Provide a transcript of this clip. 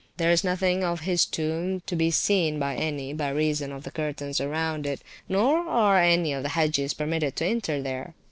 There is nothing of his tomb to be seen by any, by reason [p.387] of the curtains round it, nor are any of the Hagges permitted to enter there.